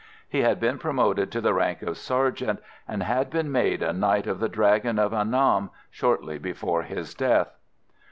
He had been promoted to the rank of sergeant, and had been made a Knight of the Dragon of Annam shortly before his death.